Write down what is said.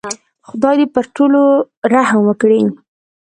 خدای دې پر ټولو رحم وکړي.